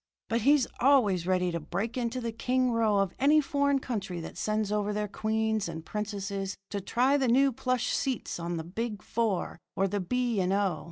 But he's always ready to break into the king row of any foreign country that sends over their queens and princesses to try the new plush seats on the Big Four or the B. and O.